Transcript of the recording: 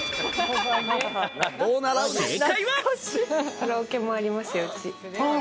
カラオケもありますよ、うち。